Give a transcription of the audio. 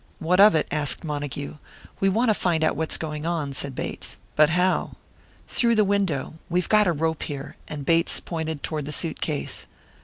"What of it?" asked Montague. "We want to find out what's going on," said Bates. "But how?" "Through the window. We've got a rope here." And Bates pointed toward the suitcase.